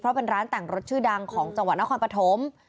เพราะเป็นร้านแต่งรถชื่อดังของจังหวัดนครปฐม